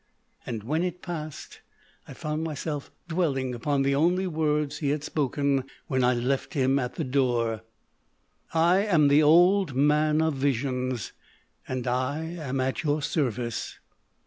And when it passed I found myself dwelling upon the only words he had spoken when I left him at the door :" I am the Old Man of Visions, and I am at your service."